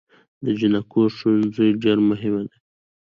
د جینکو ښوونځي ډیر مهم دی